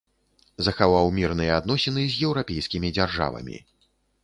Захаваў мірныя адносіны з еўрапейскімі дзяржавамі.